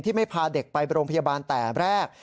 ไม่พาเด็กไปโรงพยาบาลแต่แรก